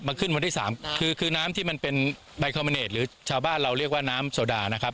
มันขึ้นวันที่๓คือน้ำที่มันเป็นบายคาร์โบเนตหรือชาวบ้านเราเรียกว่าน้ำโซดานะครับ